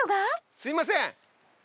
すいません！